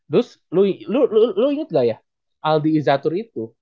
dus lu inget gak ya aldi izatur itu